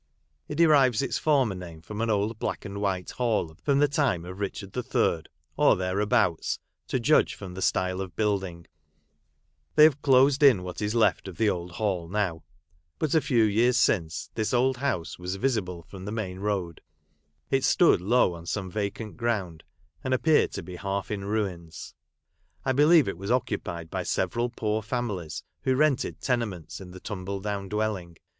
It derives its formei name from an old black and white hall of the time of .Richard the Third, or thereabouts, to judge from the style of building : they have closed in what is left of the old hall now ; bul a few years since this old house was visible from the main road ; it stood low on some vacant ground, and appeared to be half in ruins. I believe it was occupied by severa poor families who rented tenements in the tumble down dwelling.